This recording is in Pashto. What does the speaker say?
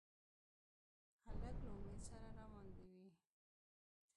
هلک له امید سره روان وي.